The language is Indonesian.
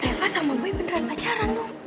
reva sama boy beneran pacaran dong